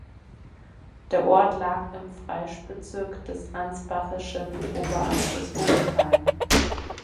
Der Ort lag im Fraischbezirk des ansbachischen Oberamtes Uffenheim.